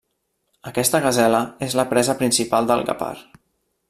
Aquesta gasela és la presa principal del guepard.